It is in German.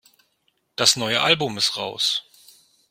Das neue Album ist raus.